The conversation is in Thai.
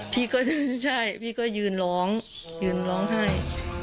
พี่ก็ยืนร้องให้